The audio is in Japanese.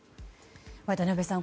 渡辺さん。